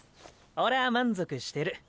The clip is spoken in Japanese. オレは満足してる。